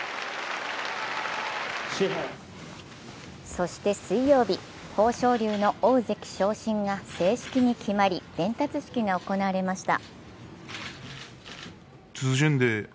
そして水曜日、豊昇龍の大関昇進が正式に決まり伝達式が行われました。